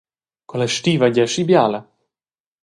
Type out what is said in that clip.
Quella stiva ei gie aschi biala.